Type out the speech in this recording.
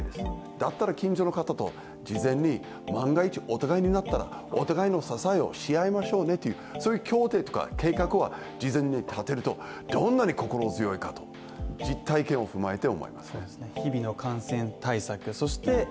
だったら近所の方と事前に万が一、お互いになったらお互いの支えをし合いましょうねというそういう協定とか計画を事前に立てるとどんなに心強いかと実体験を踏まえて思います。